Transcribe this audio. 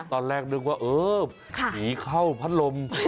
ตอนแรกนึกว่าเออผีเข้าพัดลม